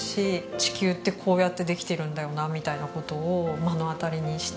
地球ってこうやってできてるんだよなみたいな事を目の当たりにして。